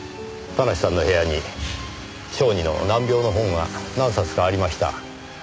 田無さんの部屋に小児の難病の本が何冊かありました。